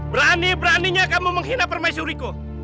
berani beraninya kamu menghina permaisuriku